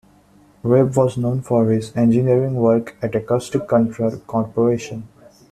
Rabe was known for his engineering work at Acoustic Control Corporation.